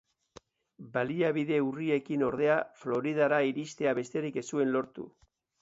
Baliabide urriekin, ordea, Floridara iristea besterik ez zuen lortu.